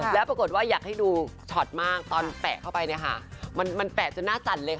แล้วปรากฏว่าอยากให้ดูช็อตมากตอนแปะเข้าไปเนี่ยค่ะมันแปะจนหน้าสั่นเลยค่ะ